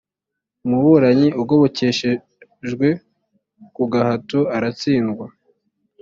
umuburanyi ugobokeshejwe ku gahato aratsindwa